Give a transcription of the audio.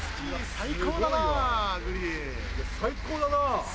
最高だぞ